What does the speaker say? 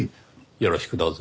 よろしくどうぞ。